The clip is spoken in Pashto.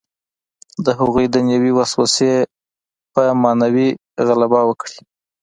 د هغوی دنیوي وسوسې پر معنوي غلبه وکړي.